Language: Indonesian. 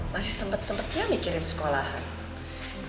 masih sempet sempetnya mikirin sekolahan